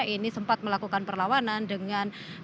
ini sempat melakukan perlawanan dengan